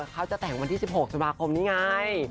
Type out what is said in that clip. เขาจะแต่งวันที่๑๖ธันวาคมนี้ไง